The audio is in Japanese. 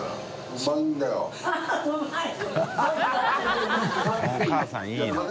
海お母さんいいな。